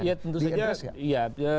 ya tentu saja